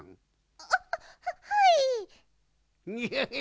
あははい。